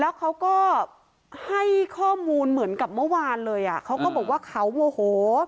แล้วเขาก็ให้ข้อมูลเหมือนกับเมื่อวานเลยอ่ะเขาก็บอกว่าเขาโมโห